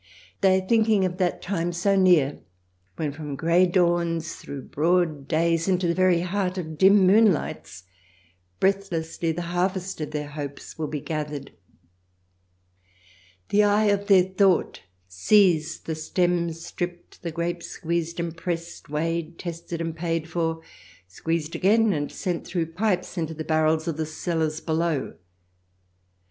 They are thinking of that time, so near, when from grey dawns, through broad days, and into the very heart of dim moonlights, breathlessly the harvest of their hopes will be CH. XXI] " TAKE US THE LITTLE FOXES" 295 gathered. The eye of their thought sees the stems stripped, the grapes squeezed and pressed, weighed, tested, and paid for, squeezed again, and sent through pipes into the barrels of the cellars below.